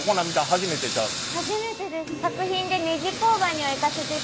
初めてです。